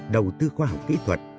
đầu tư khoa học kỹ thuật